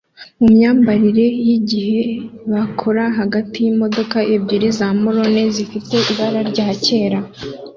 mu myambarire yigihe bakora hagati yimodoka ebyiri za marone zifite ibara rya kera